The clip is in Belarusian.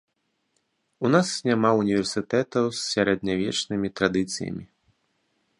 У нас няма ўніверсітэтаў з сярэднявечнымі традыцыямі.